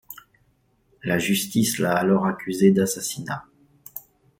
La justice l'a alors accusé d'assassinat.